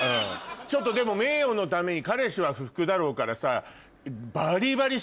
ちょっとでも名誉のために彼氏は不服だろうからさ。